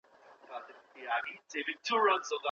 د لاس لیکنه د لوستلو وړتیا چټکوي.